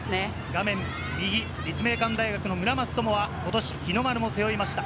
画面右、立命館大学の村松灯はことし日の丸も背負いました。